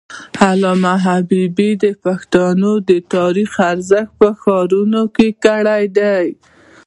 علامه حبيبي د پښتنو د تاریخ ارزښت روښانه کړی دی.